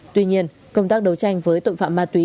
tuy nhiên công tác đấu tranh với tội phạm ma túy